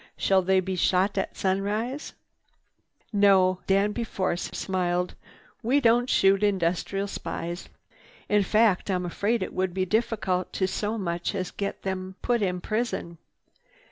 Shall they be shot at sunrise?" "No." Danby Force smiled. "We don't shoot industrial spies. In fact I'm afraid it would be difficult to so much as get them put in prison.